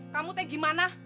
kamu tuh gimana